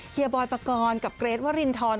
เฮียบอลปกรกับเกรทว่ารินทร